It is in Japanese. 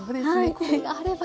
これがあれば。